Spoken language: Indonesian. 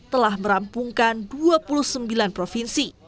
telah merampungkan dua puluh sembilan provinsi